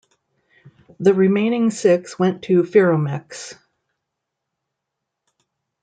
The remaining six went to Ferromex.